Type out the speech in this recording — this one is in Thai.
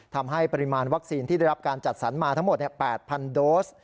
ทำให้ปริมาณวัคซีนที่ได้รับการจัดสรรมาทั้งหมด๘๐๐โดส